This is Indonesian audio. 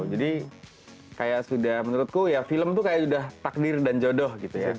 jadi kayak sudah menurutku ya film itu kayak sudah takdir dan jodoh